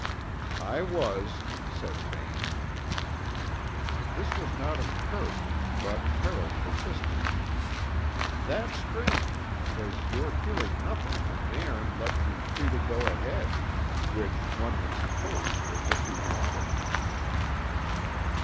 "I was," said Vane. This was not encouraging, but Carroll persisted. "That's strange, because your hearing nothing from Nairn left you free to go ahead, which, one would suppose, was what you wanted."